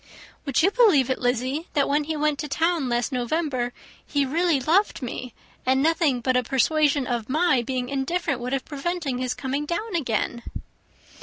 "Would you believe it, Lizzy, that when he went to town last November he really loved me, and nothing but a persuasion of my being indifferent would have prevented his coming down again?"